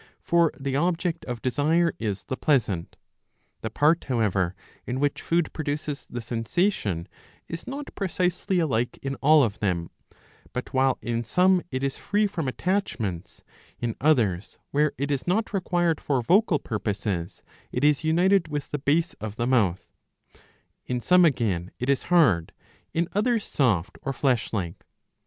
For the object of desire is the pleasant. The part however in which food produces the sensation is not precisely alike in all of them, but while in some it is free from attachments, in others, where it is not required for vocal purposes, it is united with the base of the mouth ; in some again it is hard, in others soft or flesh like.